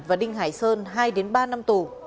và đinh hải sơn hai đến ba năm tù